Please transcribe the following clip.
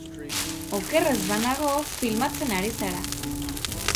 Oker ez banago, filmatzen ari zara.